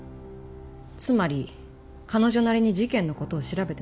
つまり彼女なりに事件の事を調べてたんだ。